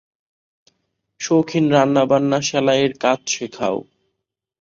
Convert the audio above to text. শৌখিন রান্নাবান্না শেলাই-এর কাজ শেখাও।